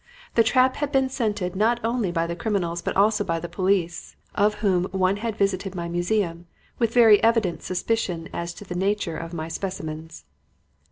The trap had been scented not only by the criminals but also by the police, of whom one had visited my museum with very evident suspicion as to the nature of my specimens.